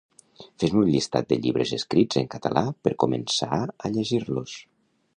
Fes-me un llistat de llibres escrits en català per començar a llegir-los